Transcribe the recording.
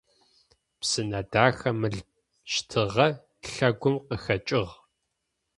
Псынэдахэ мыл щтыгъэ лъэгум къыхэкӏыгъ.